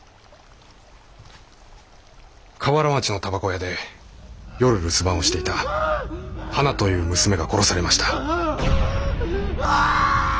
瓦町の煙草屋で夜留守番をしていたはなという娘が殺されました。